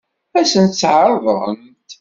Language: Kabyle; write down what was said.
Ad sen-tt-ɛeṛḍent?